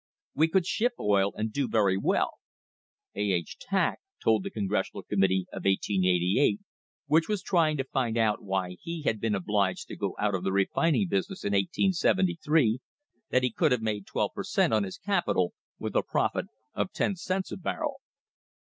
"We could ship oil and do very well." A. H. Tack told the Congressional Committee of 1888, which was trying to find out why he had been obliged to go out of the refining business in 1873, that he could have made twelve per cent, on his capital with a profit of ten cents a barrel.